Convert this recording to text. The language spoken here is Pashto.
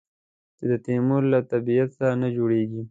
چې د تیمور له طبیعت سره نه جوړېږي.